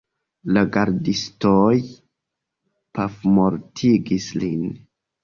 La gardistoj pafmortigis lin.